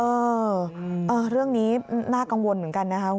เออเรื่องนี้น่ากังวลเหมือนกันนะครับ